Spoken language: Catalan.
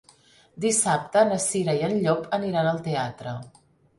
Dissabte na Cira i en Llop aniran al teatre.